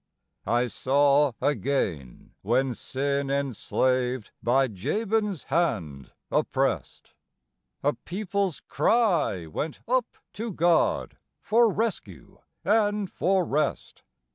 I saw again, when sin enslaved, by Jabin's hand oppressed, A people's cry went up to God for rescue and for rest.